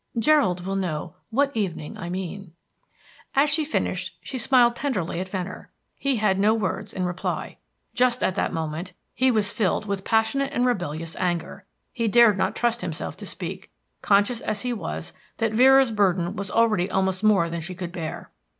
Gerald will know what evening I mean." As she finished she smiled tenderly at Venner. He had no words in reply. Just at that moment he was filled with passionate and rebellious anger. He dared not trust himself to speak, conscious as he was that Vera's burden was already almost more than she could bear.